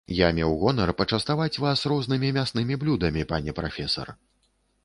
Я меў гонар пачаставаць вас рознымі мяснымі блюдамі, пане прафесар.